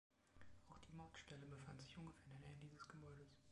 Auch die Mautstelle befand sich ungefähr in der Nähe dieses Gebäudes.